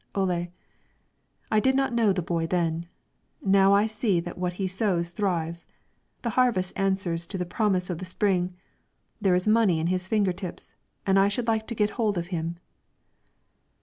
Ole: "I did not know the boy then. Now I see that what he sows thrives; the harvest answers to the promise of the spring; there is money in his finger tips, and I should like to get hold of him."